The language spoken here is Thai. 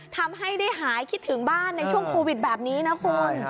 ทำให้ได้หายคิดถึงบ้านในช่วงโควิดแบบนี้นะคุณ